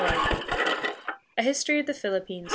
302 , (8) HISTORY OF THE PHILIPPINES.